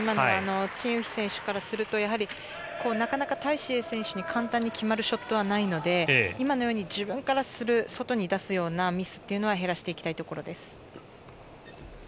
強い選手からするとなかなかタイ・シエイ選手に簡単に決まるショットはないので自分からする、外に出すようなミスは減らしていきたいところです。